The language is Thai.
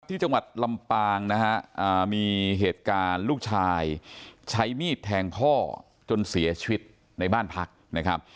ที่จังหวัดลำปางนะฮะมีเหตุการณ์ลูกชายใช้มีดแทงพ่อจนเสียชีวิตในบ้านพักนะครับ